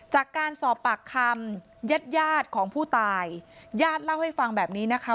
จากการสอบปากคำญาติญาติของผู้ตายญาติเล่าให้ฟังแบบนี้นะคะ